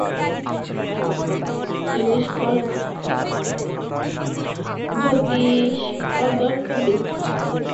তিনি ছিলেন গণিত, জ্যোতিঃপদার্থবিদ, রসায়ন ও প্রাকৃতিক বিজ্ঞানে পারদর্শী।